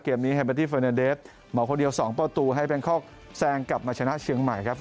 เกมนี้แฮมเบอร์ตี้เฟอร์เนเดสมาคนเดียว๒ประตูให้แบงคอกแซงกลับมาชนะเชียงใหม่ครับ